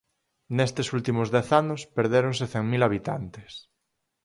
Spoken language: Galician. Nestes últimos dez anos perdéronse cen mil habitantes.